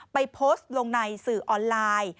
ไปโพสต์ลงในสื่อออนไลน์